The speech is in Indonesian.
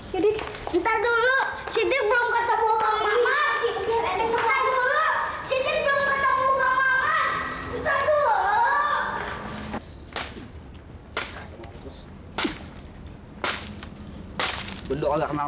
jadi ntar dulu sidiq belum ketemu mama